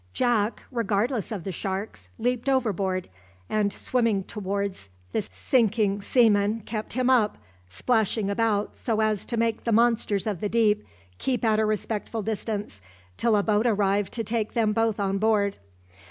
Jack, regardless of the sharks, leaped overboard, and swimming towards the sinking seaman, kept him up, splashing about so as to make the monsters of the deep keep at a respectful distance till a boat arrived to take them both on board.